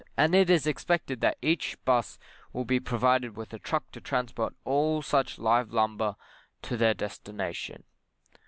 And it is expected that each 'bus will be provided with a truck to transport all such live lumber te their destination.